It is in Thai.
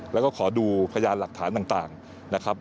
แล้วก็ขอดูพยานหลักฐานต่างนะครับ